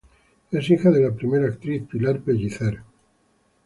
Es hija de la primera actriz Pilar Pellicer.